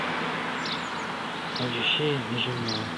اوجوشي د ژمي مېوه ده.